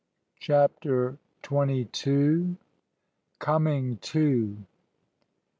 CHAPTER TWENTY TWO. COMING TO.